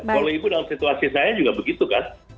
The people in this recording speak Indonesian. kalau ibu dalam situasi saya juga begitu kan